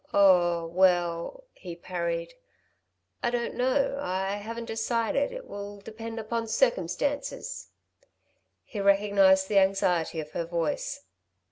"Oh, well," he parried. "I don't know ...I haven't decided ... it will depend upon circumstances." He recognised the anxiety of her voice.